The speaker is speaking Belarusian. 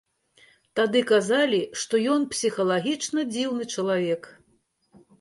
Тады казалі, што ён псіхалагічна дзіўны чалавек.